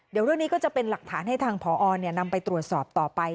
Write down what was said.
เดี๋ยวเรื่องนี้ก็จะเป็นหลักฐานให้ทางพอนำไปตรวจสอบต่อไป